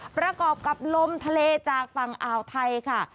ประกอบกับลมทะเลจากฝั่งอ่าวไทยค่ะ